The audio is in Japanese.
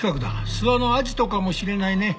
諏訪のアジトかもしれないね。